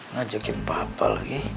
ngajakin papa lagi